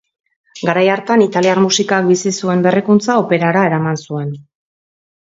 Garai hartan italiar musikak bizi zuen berrikuntza operara eraman zuen.